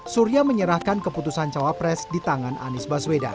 surya menyerahkan keputusan cawa pres di tangan anies baswedan